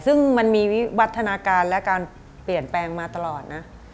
ซึ่งมันมีวิวัฒนาการและการเปลี่ยนแปลงมาตลอดนะ